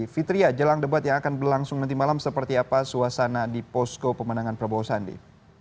fitria jelang debat yang akan berlangsung nanti malam seperti apa suasana di posko pemenangan prabowo sandi